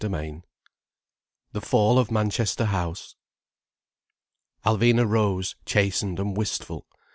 CHAPTER X THE FALL OF MANCHESTER HOUSE Alvina rose chastened and wistful.